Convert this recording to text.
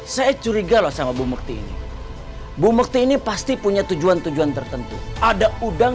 saya curiga loh sama bumukti ini bumukti ini pasti punya tujuan tujuan tertentu ada udang